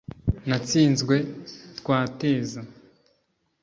natsinzwe twateza